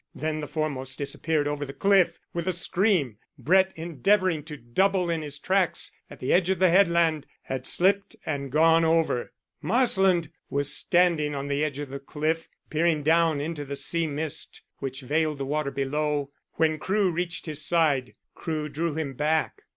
Then the foremost disappeared over the cliff with a scream. Brett, endeavouring to double in his tracks at the edge of the headland, had slipped and gone over. Marsland was standing on the edge of the cliff, peering down into the sea mist which veiled the water below, when Crewe reached his side. Crewe drew him back.